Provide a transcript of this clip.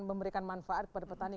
memberikan manfaat kepada petani